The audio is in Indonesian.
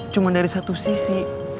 cuma dari satu sisi